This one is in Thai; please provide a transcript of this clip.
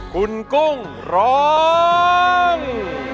คุณกุ้งร้อง